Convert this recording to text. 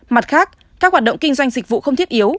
mặt khác các hoạt động kinh doanh dịch vụ không thiết yếu